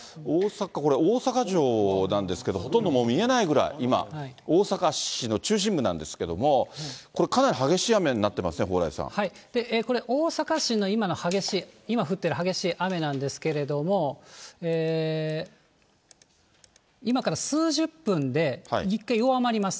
これ、大阪城なんですけれども、ほとんどもう見えないぐらい、今、大阪市の中心部なんですけども、これ、かなり激しい雨になってまこれ、大阪市の今の激しい、今降ってる激しい雨なんですけれども、今から数十分で一回弱まります。